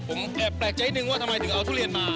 ผมแอบแปลกใจหนึ่งว่าทำไมถึงเอาทุเรียนมา